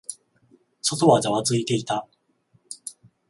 外はざわついていた。